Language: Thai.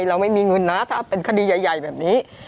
เราไม่มีเงินนะถ้าเป็นคดีใหญ่แบบนี้